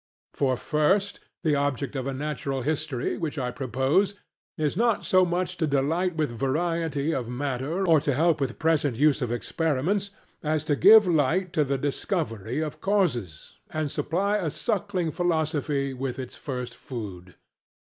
For first, the object of a natural history which I propose is not so much to delight with variety of matter or to help with present use of experiments, as to give light to the discovery of causes and supply a suckling philosophy with its first food.